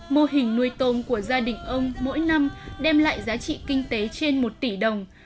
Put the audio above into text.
mô hình nuôi tôm của gia đình ông mỗi năm đem lại giá trị kinh tế trên một tỷ đồng